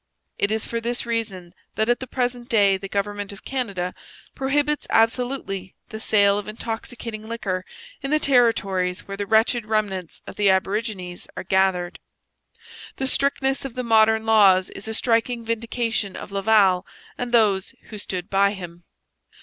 It is for this reason that at the present day the government of Canada prohibits absolutely the sale of intoxicating liquor in the territories where the wretched remnants of the aborigines are gathered. The strictness of the modern laws is a striking vindication of Laval and those who stood by him.